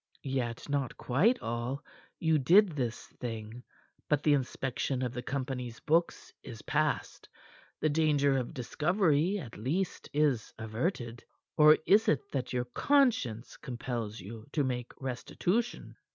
"Yet not quite all. You did this thing. But the inspection of the company's books is past. The danger of discovery, at least, is averted. Or is it that your conscience compels you to make restitution?"